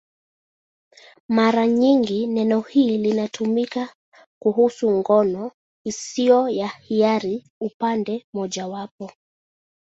Mara nyingi neno hili linatumika kuhusu ngono isiyo ya hiari upande mmojawapo.